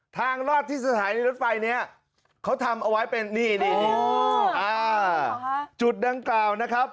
ทางรอดที่สถานีรถไฟเนี่ยเขาทำเอาไว้เป็นนี่นี่จุดดังกล่าวนะครับ